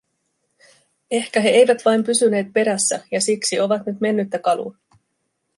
Ehkä he eivät vain pysyneet perässä, ja siksi ovat nyt mennyttä kalua.